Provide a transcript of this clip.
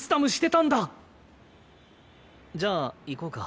じゃあ行こうか。